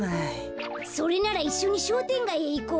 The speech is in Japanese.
それならいっしょにしょうてんがいへいこうよ。